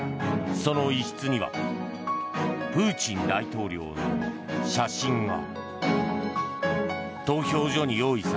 その一室にはプーチン大統領の写真が。